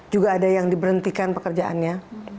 juga ada yang diberhentikan pekerjaannya